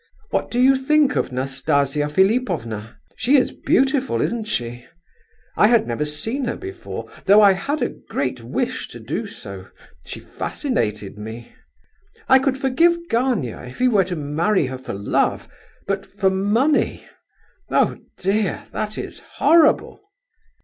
What do you think of Nastasia Philipovna? She is beautiful, isn't she? I had never seen her before, though I had a great wish to do so. She fascinated me. I could forgive Gania if he were to marry her for love, but for money! Oh dear! that is horrible!"